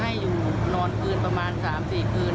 ให้อยู่นอนพื้นประมาณสามสี่คืน